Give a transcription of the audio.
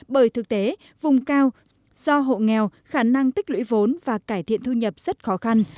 bởi thực tế vùng cao do hộ nghèo khả năng tích lũy vốn và cải thiện thu nhập rất khó khăn